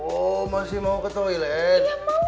oh masih mau ke toilet